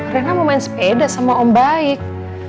karena mau main sepeda sama om baik